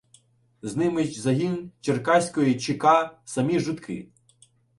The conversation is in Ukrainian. З ними загін Черкаської ЧК — самі жидки.